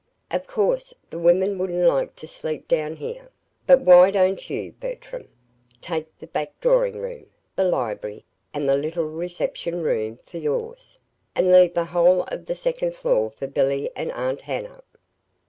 Of course the women wouldn't like to sleep down here, but why don't you, Bertram, take the back drawing room, the library, and the little reception room for yours, and leave the whole of the second floor for Billy and Aunt Hannah?"